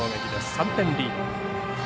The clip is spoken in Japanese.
３点リード。